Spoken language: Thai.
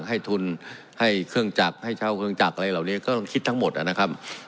ให้เช่าเครื่องจักรอะไรเหล่านี้ก็ต้องคิดทั้งหมดนะครับ